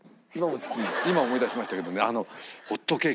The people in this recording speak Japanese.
今思い出しましたけどね。